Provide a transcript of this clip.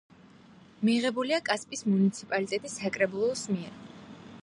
მიღებულია კასპის მუნიციპალიტეტის საკრებულოს მიერ.